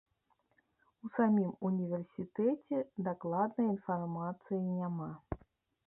У самім універсітэце дакладнай інфармацыі няма.